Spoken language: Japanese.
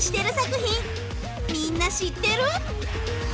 みんな知ってる？